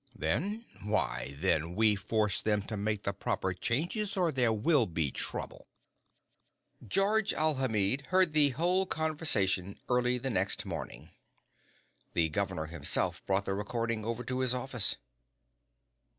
"Then? Why, then we will force them to make the proper changes or there will be trouble." Georges Alhamid heard the whole conversation early the next morning. The governor himself brought the recording over to his office.